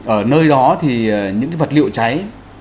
ở nơi đó thì những vật liệu cháy